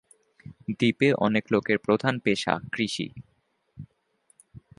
দ্বীপে অনেক লোকের প্রধান পেশা কৃষি।